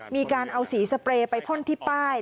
มีการเอาสีสเปรย์ไปพ่นที่ป้าย